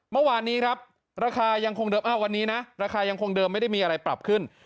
เมื่อวานนี้ครับราคายังคงเดิมวันนี้นะราคายังคงเดิมไม่ได้มีอะไรปรับขึ้น